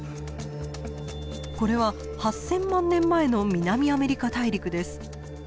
これは８，０００万年前の南アメリカ大陸です。